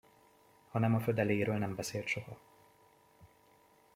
Hanem a födeléről nem beszélt soha.